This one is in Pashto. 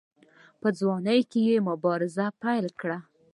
په ځوانۍ کې یې مبارزه پیل کړه.